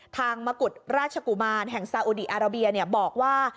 มกุฎราชกุมารแห่งซาอุดีอาราเบียบอกว่า